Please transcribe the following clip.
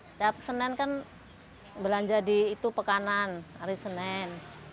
setiap senin kan belanja di itu pekanan hari senin